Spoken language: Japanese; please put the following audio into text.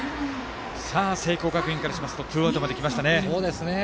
聖光学院からしますとツーアウトまで来ましたね。